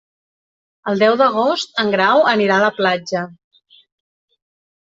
El deu d'agost en Grau anirà a la platja.